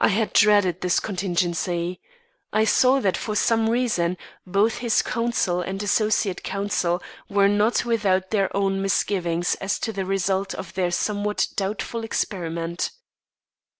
I had dreaded this contingency. I saw that for some reason, both his counsel and associate counsel, were not without their own misgivings as to the result of their somewhat doubtful experiment.